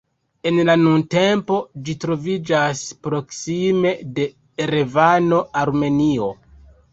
En la nuntempo ĝi troviĝas proksime de Erevano, Armenio.